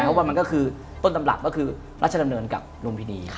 เพราะว่ามันก็คือต้นตำรับก็คือรัชดำเนินกับลุมพินี